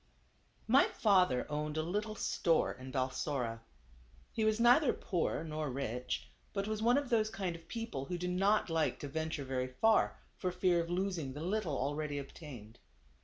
Y father owned a little store in Balsora. He was neither poor, nor rich ; but was one of those kind of people who do not like to venture very far, for fear of losing the little already obtained.